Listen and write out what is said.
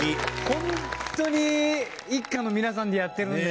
ホントに一家の皆さんでやってるんですね